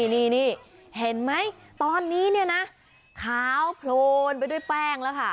นี่เห็นไหมตอนนี้เนี่ยนะขาวโพลนไปด้วยแป้งแล้วค่ะ